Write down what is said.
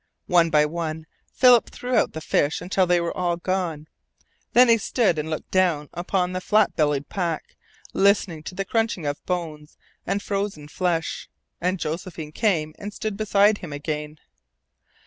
One by one Philip threw out the fish until they were all gone. Then he stood and looked down upon the flat bellied pack, listening to the crunching of bones and frozen flesh, and Josephine came and stood beside him again.